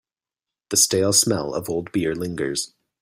The stale smell of old beer lingers.